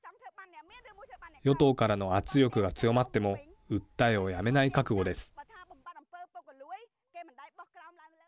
与党からの圧力が強まっても訴えをやめない覚悟です。